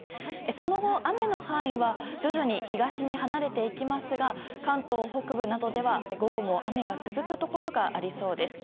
その後、雨の範囲は徐々に東に離れていきますが関東北部などでは午後も雨が続くところがありそうです。